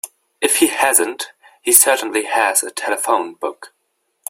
If he hasn't he certainly has a telephone book.